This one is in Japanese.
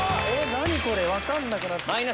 何これ⁉分かんなくなってきた。